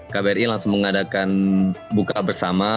kbri langsung mengadakan buka bersama